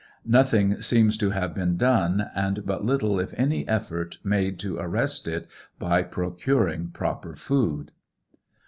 Noth ing seems to have been done, and but little if any effort made to arrest it by procuring proper food.